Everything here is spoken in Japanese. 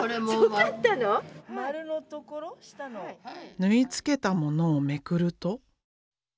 縫い付けたものをめくると。